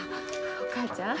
お母ちゃん？